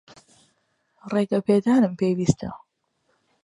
ڕێگەپێدانم پێویستە.